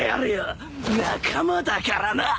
仲間だからなぁ！